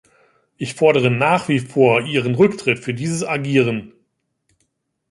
Ich fordere nach wie vor Ihren Rücktritt für dieses Agieren.